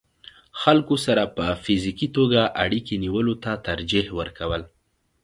خلکو سره په فزيکي توګه اړيکې نيولو ته ترجيح ورکول